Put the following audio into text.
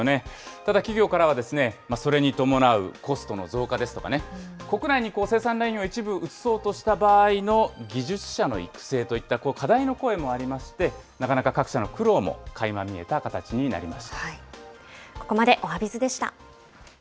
ただ企業からはそれに伴うコストの増加ですとかね、国内に生産ラインを一部移そうとした場合の技術者の育成といった、課題の声もありまして、なかなか各社の苦労も垣間見えた形になりました。